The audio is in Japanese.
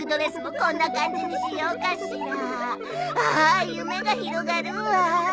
あ夢が広がるわあ！